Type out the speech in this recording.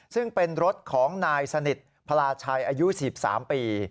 ซึ่งเป็นรถของนายสนิทพลาชัยอายุ๑๓ปี